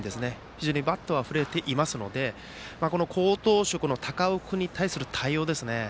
非常にバットは振れていますので好投手の高尾君に対する対応ですね。